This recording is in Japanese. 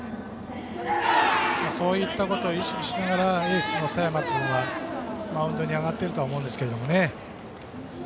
そういったことを意識しながらエースの佐山君は、マウンドに上がっていると思うんですけどね。